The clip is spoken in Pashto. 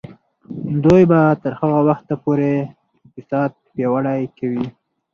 دوی به تر هغه وخته پورې اقتصاد پیاوړی کوي.